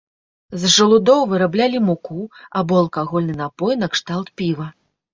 З жалудоў выраблялі муку або алкагольны напой накшталт піва.